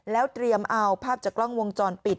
แล้วเตรียมเอาภาพจากกล้องวงจรปิด